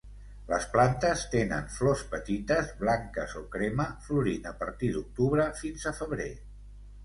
Les plantes tenen flors petites, blanques o crema, florint a partir d'octubre fins a febrer.